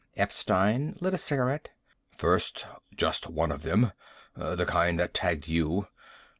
Epstein lit a cigarette. "First just one of them. The kind that tagged you.